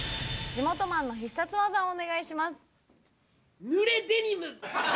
地元マンの必殺技をお願いします。